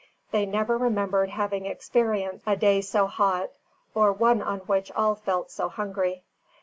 They never remembered having experienced a day so hot, or one on which all felt so hungry.